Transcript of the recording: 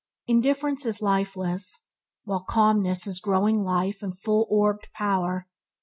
Indifference is lifelines, while calmness is glowing life and full orbed power.